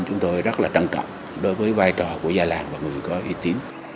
chúng tôi rất là trân trọng đối với vai trò của gia làng và người có uy tín